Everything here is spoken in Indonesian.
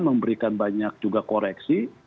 memberikan banyak juga koreksi